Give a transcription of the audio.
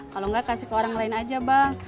kalau nggak kasih ke orang lain aja bang